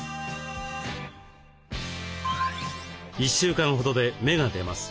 １週間ほどで芽が出ます。